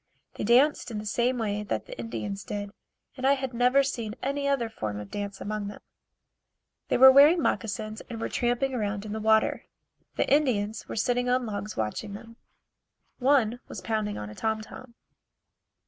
They danced in the same way that the Indians did, and I had never seen any other form of dancing among them. They were wearing moccasins and were tramping around in the water. The Indians were sitting on logs watching them. One was pounding on a tom tom.